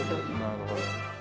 なるほど。